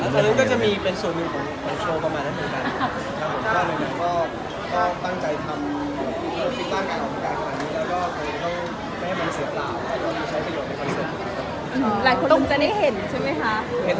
พิกัดเรื่องภาพสิทธิ์๑๑คุณโอสเตอร์